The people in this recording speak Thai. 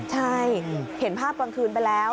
ใช่เห็นภาพกลางคืนไปแล้ว